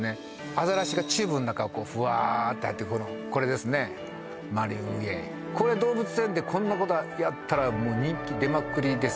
アザラシがチューブの中をフワーッて入ってくこのこれですねマリンウェイ動物園でこんなことやったら人気出まくりですよ